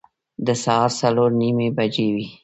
د سهار څلور نیمې بجې وې.